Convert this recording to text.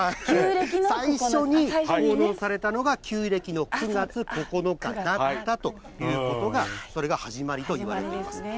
最初に奉納されたのが、旧暦の９月９日だったということが、それが始まりといわれています。